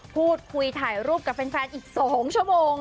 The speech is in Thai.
พูดคุยถ่ายรูปกับแฟนอีก๒ชั่วโมง